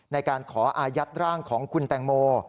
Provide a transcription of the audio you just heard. ในการขออายัดร่างของคุณแตงโม